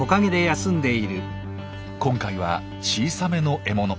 今回は小さめの獲物。